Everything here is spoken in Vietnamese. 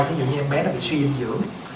ví dụ như em bé nó bị suy dinh dưỡng